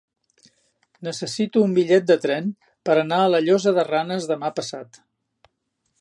Necessito un bitllet de tren per anar a la Llosa de Ranes demà passat.